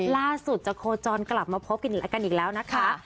ล่าสุดจะโคจรกลับมาพบกันอีกแล้วนะคะ